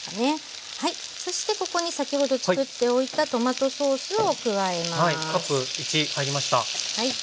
そしてここに先ほどつくっておいたトマトソースを加えます。